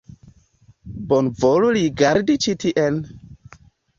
Bonvolu rigardi ĉi tien!